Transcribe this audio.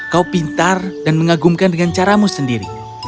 kau pintar dan mengagumkan dengan caramu sendiri